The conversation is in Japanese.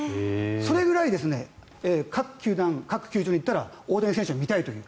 それぐらい各球団、各球場に行ったら大谷選手が見たいという。